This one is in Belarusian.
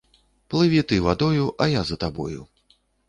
Плыві ты вадою, а я за табою.